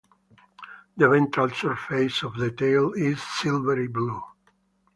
The ventral surface of the tail is silvery blue.